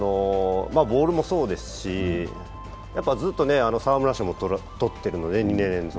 ボールもそうですしずっと、沢村賞もとってるので２年連続。